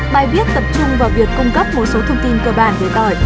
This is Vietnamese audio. bài viết tập trung vào việc cung cấp một số thông tin cơ bản để tỏi